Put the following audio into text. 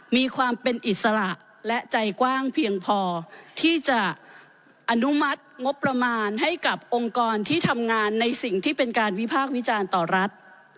มีความเป็นอิสระและใจกว้างเพียงพอที่จะอนุมัติงบประมาณให้กับองค์กรที่ทำงานในสิ่งที่เป็นการวิพากษ์วิจารณ์ต่อรัฐ